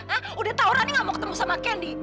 hah udah tahu rani gak mau ketemu sama candy